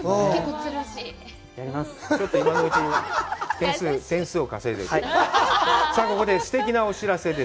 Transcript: ちょっと今のうちに点数を稼いで。